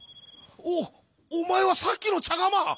おおまえはさっきのちゃがま！」。